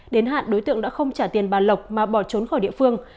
đến hạn đối tượng đã không trả tiền bà lộc mà bỏ trốn khỏi địa phương